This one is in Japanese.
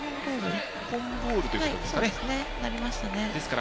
日本ボールということですかね。